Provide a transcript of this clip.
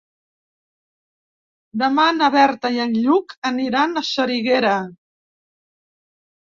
Demà na Berta i en Lluc aniran a Soriguera.